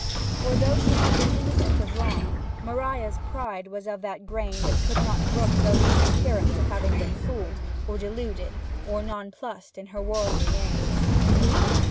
For, though she had been innocent of wrong, Maria's pride was of that grain which could not brook the least appearance of having been fooled, or deluded, or nonplussed in her worldly aims.